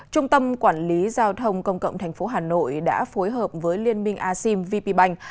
trung tâm quản lý giao thông công cộng tp hà nội đã phối hợp với liên minh asean vp bank